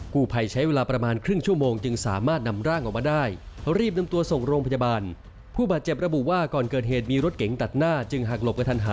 กูภัยใช้เวลาประมาณครึ่งชั่วโมงจึงสามารถนำร่างออกมาได้เพราะรีบนำตัวส่งโรงพยาบาล